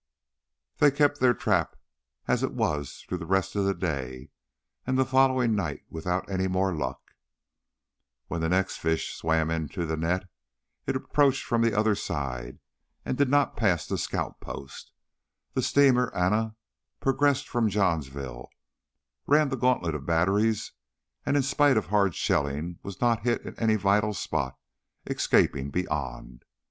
They kept their trap as it was through the rest of the day and the following night without any more luck. When the next fish swam into the net it approached from the other side and not past the scout post. The steamer Anna progressed from Johnsonville, ran the gantlet of the batteries, and in spite of hard shelling, was not hit in any vital spot, escaping beyond.